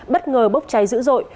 bất ngờ bốc cháy dữ dội